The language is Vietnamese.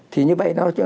thì như vậy